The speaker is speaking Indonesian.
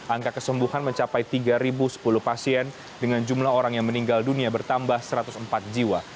angka kesembuhan mencapai tiga sepuluh pasien dengan jumlah orang yang meninggal dunia bertambah satu ratus empat jiwa